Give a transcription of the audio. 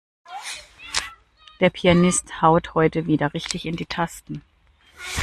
Der Pianist haut heute wieder richtig in die Tasten.